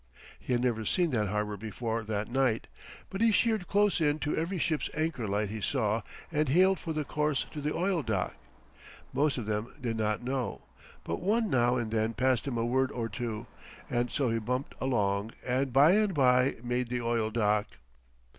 He had never seen that harbor before that night, but he sheered close in to every ship's anchor light he saw and hailed for the course to the oil dock. Most of them did not know, but one now and then passed him a word or two, and so he bumped along and by and by made the oil dock.